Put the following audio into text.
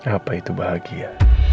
apa itu bahagia